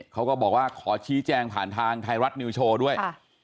เขาก็บอกว่าขอชี้แจงผ่านทางไทยรัฐนิวโชว์ด้วย